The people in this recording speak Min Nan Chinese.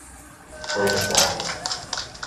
皮材